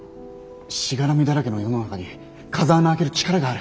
しがらみだらけの世の中に風穴開ける力がある。